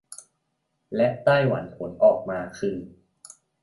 และไต้หวันผลออกมาคือ